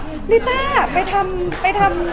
พอเสร็จจากเล็กคาเป็ดก็จะมีเยอะแยะมากมาย